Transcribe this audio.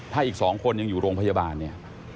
ถ้าอีก๒คนยังอยู่โรงพยาบาลเนี่ย